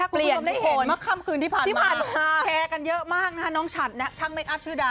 เปลี่ยนทุกคนที่ผ่านมาแชร์กันเยอะมากนะคะน้องฉัดนะช่างเมคอัพชื่อดา